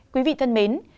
quý vị thân mến